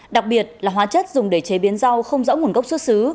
đặc biệt là hóa chất dùng để chế biến rau không rõ nguồn gốc xuất xứ